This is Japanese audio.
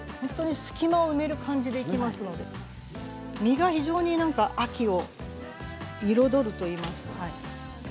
隙間を埋める感じでいきますので実が非常に秋を彩るといいますか。